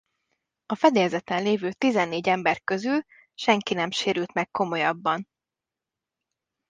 A fedélzeten lévő tizennégy ember közül senki nem sérült meg komolyabban.